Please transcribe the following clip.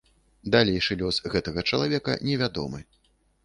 Далейшы лёс гэтага чалавека невядомы.